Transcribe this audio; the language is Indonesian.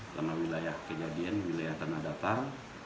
karena wilayah kejadian wilayah tanah datar